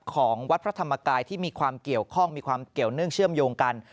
ของวัดพระธรรมกายที่มีความเกี่ยวข้องมีความเกี่ยวเนื่องเชื่อมโยงกัน